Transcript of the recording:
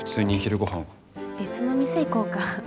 別の店行こうか？